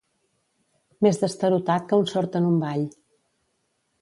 Més destarotat que un sord en un ball.